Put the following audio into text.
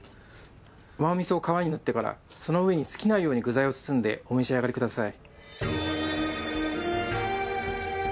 甘味噌を皮に塗ってからその上に好きなように具材を包んでお召し上がりください。